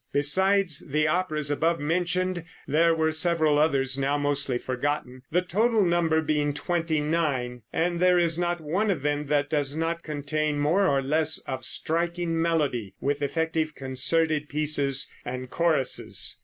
Besides the operas above mentioned there were several others now mostly forgotten, the total number being twenty nine; and there is not one of them that does not contain more or less of striking melody, with effective concerted pieces and choruses.